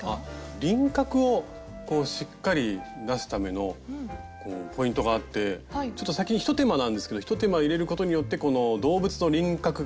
輪郭をこうしっかり出すためのポイントがあってちょっと先に一手間なんですけど一手間入れることによってこの動物の輪郭がきれいに出るという感じなんですよね。